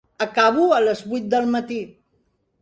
Acabo a les vuit del matí.